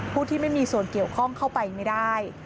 ที่ไม่มีส่วนเกี่ยวข้องเข้าไปไม่ได้